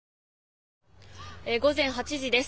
午前８時です。